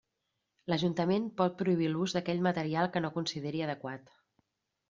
L'Ajuntament pot prohibir l'ús d'aquell material que no consideri adequat.